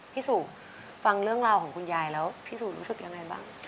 สุฟังเรื่องราวของคุณยายแล้วพี่สู่รู้สึกยังไงบ้าง